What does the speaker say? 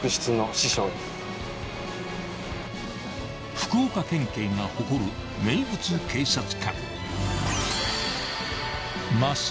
［福岡県警が誇る名物警察官］